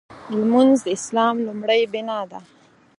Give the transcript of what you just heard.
لمونځ د اسلام لومړۍ بناء ده.